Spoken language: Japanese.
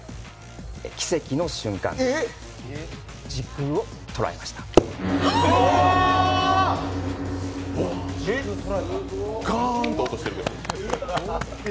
奇跡の瞬間です、時空を捉えましたガーンって音してるで。